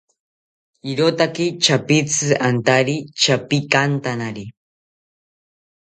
Irotaki chapitzi antari chapikantanari